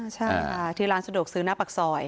ใช่ค่ะที่ร้านสะดวกซื้อหน้าปากซอย